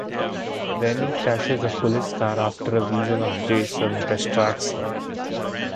Rennie crashes a police car after a vision of Jason distracts her.